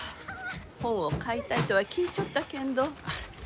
本を買いたいとは聞いちょったけんど。